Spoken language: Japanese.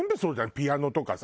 ピアノとかさ。